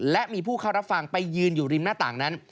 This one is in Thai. และมีผู้เข้ารับฟังไปยืนอยู่ริมหน้าต่างนั้น